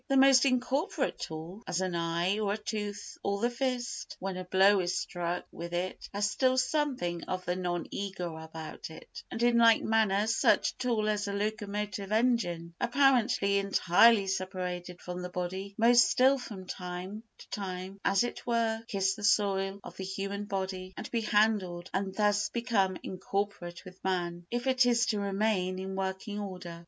The most incorporate tool—as an eye or a tooth or the fist, when a blow is struck with it—has still something of the non ego about it; and in like manner such a tool as a locomotive engine, apparently entirely separated from the body, must still from time to time, as it were, kiss the soil of the human body and be handled, and thus become incorporate with man, if it is to remain in working order.